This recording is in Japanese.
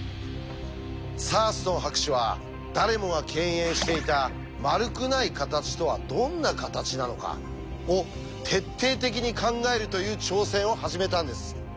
サーストン博士は誰もが敬遠していた「丸くない形とはどんな形なのか」を徹底的に考えるという挑戦を始めたんです。